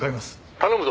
「頼むぞ！」